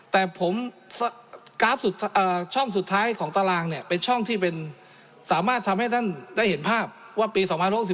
แต่ผมกราฟช่องสุดท้ายของตารางเนี่ยเป็นช่องที่เป็นสามารถทำให้ท่านได้เห็นภาพว่าปี๒๐๖๒